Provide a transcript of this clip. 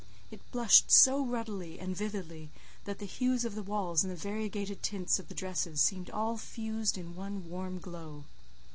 It blushed so ruddily and vividly, that the hues of the walls and the variegated tints of the dresses seemed all fused in one warm glow.